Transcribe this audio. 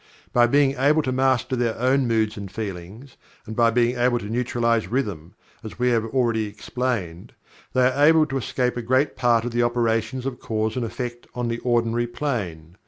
By being able to master their own moods and feelings, and by being able to neutralize Rhythm, as we have already explained, they are able to escape a great part of the operations of Cause and Effect on the ordinary plane.